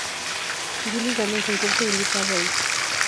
Julie gana un concurso e invita a Ray.